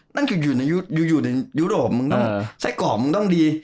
นั่นคืออยู่ในยุโรปไส้กรอกมึงต้องดี